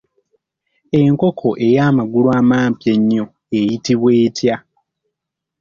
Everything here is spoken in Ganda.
Enkoko ey’amagulu amampi ennyo eyitibwa etya?